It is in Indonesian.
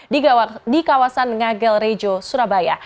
di kawasan ngagel rejo surabaya